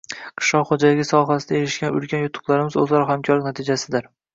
qishloq xo‘jaligi sohasida erishgan ulkan yutuqlarimiz o‘zaro hamkorlik natijasidir.